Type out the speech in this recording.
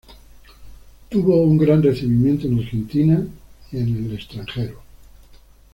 Tuvo un gran recibimiento en Argentina y en el extranjero.